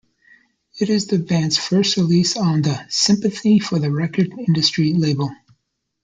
It is the band's first release on the "Sympathy for the Record Industry" label.